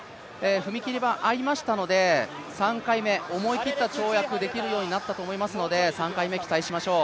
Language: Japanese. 踏切板合いましたので、３回目、思い切った跳躍、できるようになったと思いますので３回目、期待しましょう。